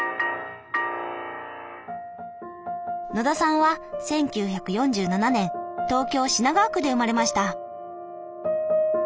野田さんは１９４７年東京・品川区で生まれました。